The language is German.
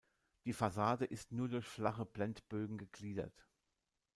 Die Fassade ist nur durch flache Blendbögen gegliedert.